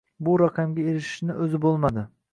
bu raqamga erishishni o'zi bo'lmadi.